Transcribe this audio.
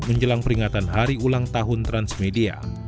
menjelang peringatan hari ulang tahun transmedia